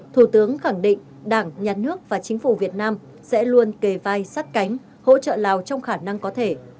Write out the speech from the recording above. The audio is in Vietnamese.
thủ tướng khẳng định đảng nhà nước và chính phủ việt nam sẽ luôn kề vai sát cánh hỗ trợ lào trong khả năng có thể